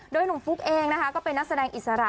โดยหนุ่มฟุ๊กเองนะคะก็เป็นนักแสดงอิสระ